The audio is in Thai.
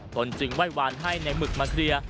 ตนจึงไหว้วานให้ในหมึกมาเคลียร์